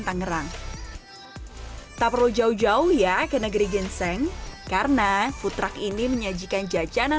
tangerang tak perlu jauh jauh ya ke negeri ginseng karena food truck ini menyajikan jajanan